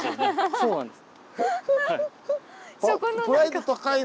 そうなんです。